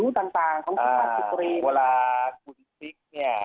มิวต่างต่างของความสะดวนอาจว่าอ่าเวลาคุณเนี้ย